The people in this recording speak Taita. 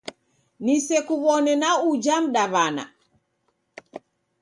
Nisekuw'one na uja mdaw'ana